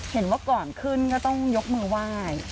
เห็นว่าก่อนขึ้นก็ต้องยกมือไหว้